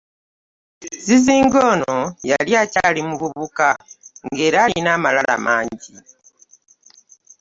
Zizinga ono yali akyali muvubuka era ng’alina amalala mangi.